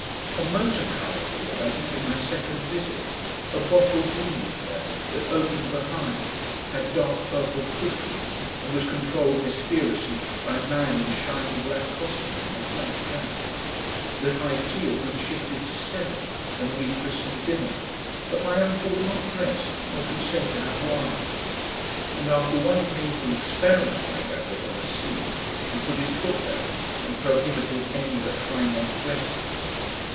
A motor car appeared, I think in my second visit, a bottle green affair that opened behind, had dark purple cushions, and was controlled mysteriously by a man in shiny black costume and a flat cap. The high tea had been shifted to seven and rechristened dinner, but my uncle would not dress nor consent to have wine; and after one painful experiment, I gathered, and a scene, he put his foot down and prohibited any but high necked dresses.